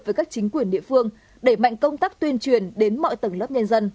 với các chính quyền địa phương đẩy mạnh công tác tuyên truyền đến mọi tầng lớp nhân dân